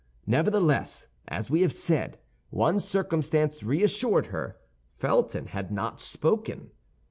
Nevertheless, as we have said, one circumstance reassured her. Felton had not spoken.